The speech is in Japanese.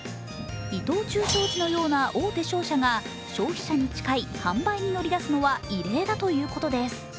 伊藤忠商事のような大手商社が消費者に近い販売に乗り出すのは異例だということです。